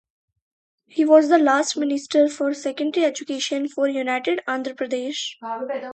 He was the last Minister for Secondary Education for united Andhra Pradesh.